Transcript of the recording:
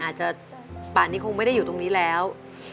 อาจจะป่านนี้คงไม่ได้อยู่ตรงนี้แล้ว